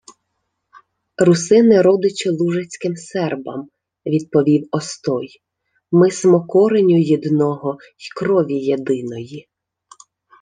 — Русини родичі лужицьким сербам, — відповів Остой. — Ми смо кореню їдного й крові єдиної.